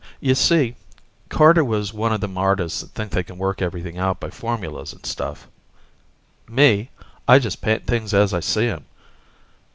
Y'see, Carter was one a them artists that think they can work everything out by formulas and stuff. Me, I just paint things as I see 'em.